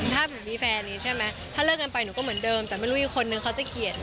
ถ้าหนูมีแฟนนี้ใช่ไหมถ้าเลิกกันไปหนูก็เหมือนเดิมแต่ไม่รู้อีกคนนึงเขาจะเกลียด